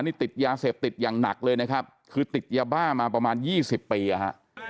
นี่ติดยาเสพติดอย่างหนักเลยนะครับคือติดยาบ้ามาประมาณยี่สิบปีอ่ะฮะ